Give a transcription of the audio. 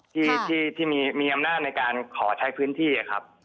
ที่มีอำนาจในการขอใช้พื้นที่ครับ